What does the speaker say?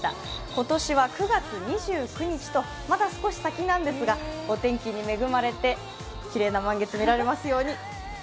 今年は９月２９日と、まだ少し先なんですがお天気に恵まれてきれいな満月が見られますように。